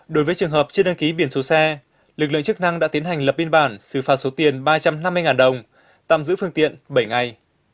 đối với trường hợp chưa đăng ký biển số xe lực lượng chức năng đã tiến hành lập biên bản xử phạt số tiền ba trăm năm mươi đồng tạm giữ phương tiện bảy ngày